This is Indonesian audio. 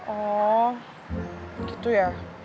oh gitu ya